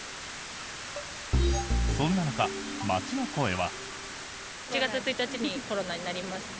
そんな中、街の声は。